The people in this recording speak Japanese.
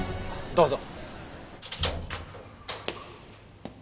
どうぞ。